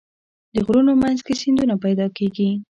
د غرونو منځ کې سیندونه پیدا کېږي.